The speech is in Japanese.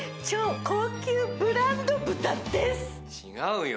超高級ブランド豚です。